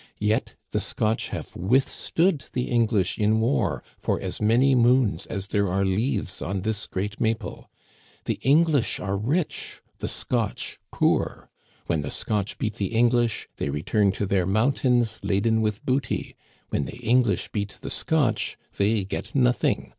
Yet the Scotch have withstood the English in war for as many moons as there are leaves on this great maple. The English are rich, the Scotch poor. When the Scotch beat the English, they return to their mountains Digitized by VjOOQIC 1 86 '^HE CANADIANS OF OLD. laden with booty; when the English beat the Scotch, they get nothing.